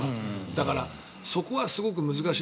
だからそこはすごく難しい。